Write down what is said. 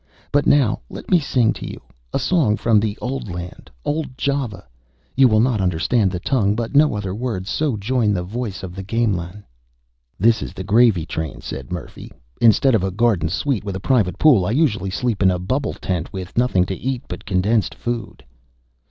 But now, let me sing to you a song from the Old Land, old Java. You will not understand the tongue, but no other words so join the voice of the gamelan." "This is the gravy train," said Murphy. "Instead of a garden suite with a private pool, I usually sleep in a bubble tent, with nothing to eat but condensed food."